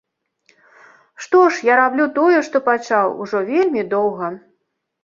Што ж, я раблю тое, што пачаў, ужо вельмі доўга.